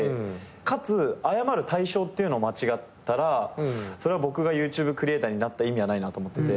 かつ謝る対象っていうのを間違ったらそれは僕がＹｏｕＴｕｂｅクリエイターになった意味はないなと思ってて。